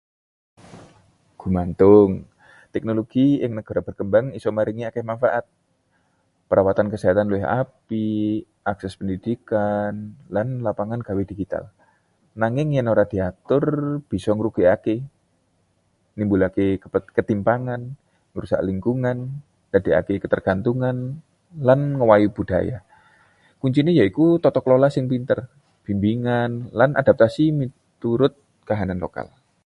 Gumantung. Teknologi ing negara berkembang isa maringi akèh manfaat—perawatan kesehatan luwih apik, akses pendidikan, lan lapangan gawé digital. Nanging yen ora diatur, bisa ngrugèkaké: nimbulaké ketimpangan, ngrusak lingkungan, ndadèkaké ketergantungan, lan ngowahi budaya. Kunciné yaiku tata kelola sing pinter, bimbingan, lan adaptasi miturut kahanan lokal.